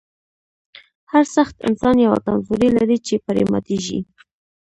هر سخت انسان یوه کمزوري لري چې پرې ماتیږي